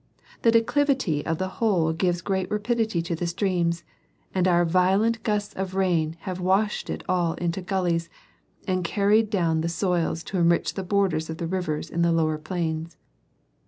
The declivity of the whole gives great rapidity to the streams ; and our violent gusts of rain have washt it all into gullies, and carried down the soil to enricli the borders of the rivers in the Lower Plains.